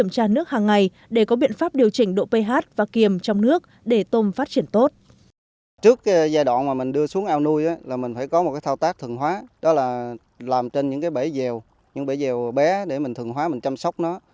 trước giai đoạn mình đưa xuống ao nuôi mình phải có một thao tác thường hóa đó là làm trên những bể dèo bé để mình thường hóa mình chăm sóc nó